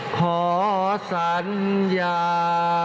ขอสัญญา